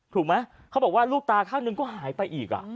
ถูกไหมเขาบอกว่าลูกตาข้างหนึ่งก็หายไปอีก